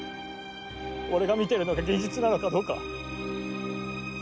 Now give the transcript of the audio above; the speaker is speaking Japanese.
俺が見てるのが現実なのかどうか。